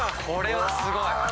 これはすごい！